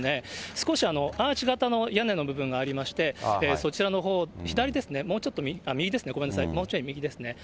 少しアーチ形の屋根の部分がありまして、そちらのほう、左ですね、もうちょっと右ですね、ごめんなさい、もうちょい右ですね。